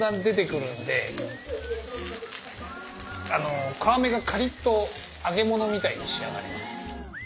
あの皮目がカリっと揚げ物みたいに仕上がります。